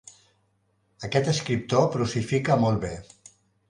Aquest escriptor prosifica molt bé.